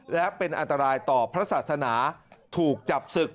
และเป็นอันตรายต่อพระศาสนาถูกจับศึก